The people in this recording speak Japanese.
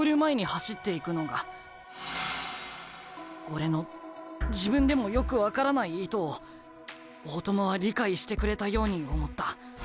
俺の自分でもよく分からない意図を大友は理解してくれたように思った。